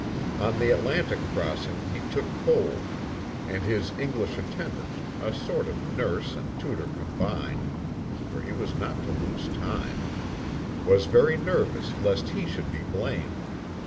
On the Atlantic crossing he took cold, and his English attendant, a sort of nurse and tutor combined (for he was not to lose time) was very nervous lest he should be blamed.